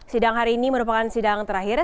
sidang hari ini merupakan sidang terakhir